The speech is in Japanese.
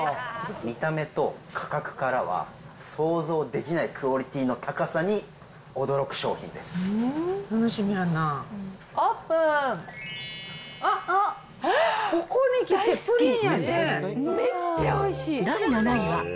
見た目と価格からは想像できないクオリティの高さに驚く商品楽しみやな。